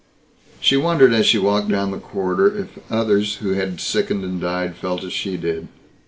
She wondered as she walked down the corridor if the others who had sickened and died felt as she did.